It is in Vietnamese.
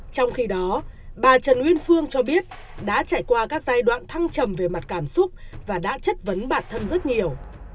trong khi đó bà trần uyên phương cho biết đã trải qua các giai đoạn thăng trầm về mặt cảm xúc và đã chất vấn bản thân rất nhiều